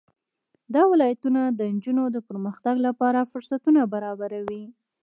دا ولایتونه د نجونو د پرمختګ لپاره فرصتونه برابروي.